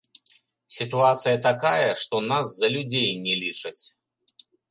Сітуацыя такая, што нас за людзей не лічаць.